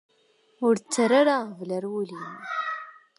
Ur ttarra ara aɣbel ar wul-im.